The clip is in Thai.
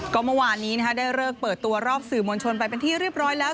ก็เมื่อวานนี้ได้เลิกเปิดตัวรอบสื่อมวลชนไปเป็นที่เรียบร้อยแล้ว